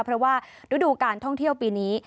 เพราะว่าฤดูการท่องเที่ยวปีนี้